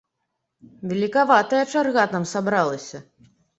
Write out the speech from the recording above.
Велікаватая чарга там сабралася.